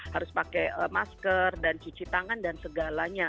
harus pakai masker dan cuci tangan dan segalanya